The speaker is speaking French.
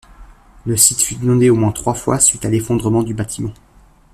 Le site fut inondé au moins trois fois suite à l'effondrement du bâtiment.